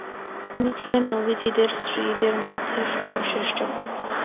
তিনি ছিলেন নবীজির স্ত্রীদের মধ্যে সর্বশেষ জন।